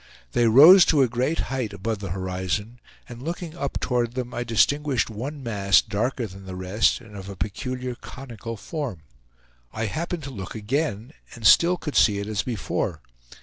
They rose to a great height above the horizon, and looking up toward them I distinguished one mass darker than the rest and of a peculiar conical form. I happened to look again and still could see it as before.